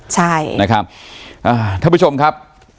ท่านผู้ชมครับ